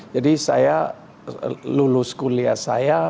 saya lulus kuliah saya